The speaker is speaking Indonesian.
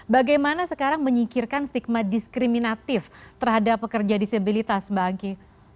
bagaimana sekarang menyingkirkan stigma diskriminatif terhadap pekerja disabilitas mbak angki